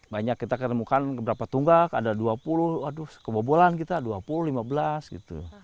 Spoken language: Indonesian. banyak kita ketemukan berapa tunggak ada dua puluh waduh kebobolan kita dua puluh lima belas gitu